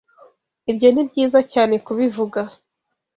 Ibyo ni byiza cyane kubivuga.